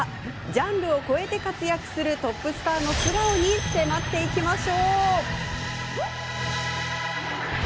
ジャンルを超えて活躍するトップスターの素顔に迫ります。